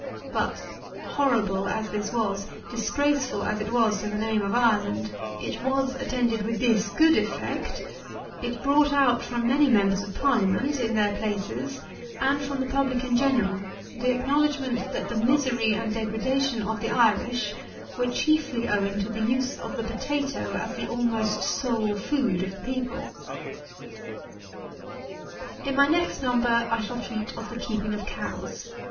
But horrible as this was, disgraceful as it was to the name of Ireland, it was attended with this good effect: it brought out, from many members of Parliament (in their places,) and from the public in general, the acknowledgment, that the misery and degradation of the Irish were chiefly owing to the use of the potatoe as the almost sole food of the people.] 100. In my next number I shall treat of the keeping of cows.